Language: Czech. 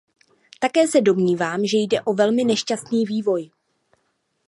Také se domnívám, že jde o velmi nešťastný vývoj.